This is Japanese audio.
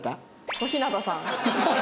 小日向さん。